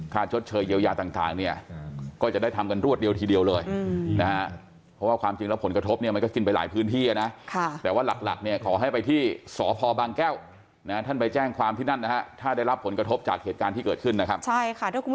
ค่าชดเชยเยียวยาต่างเนี่ย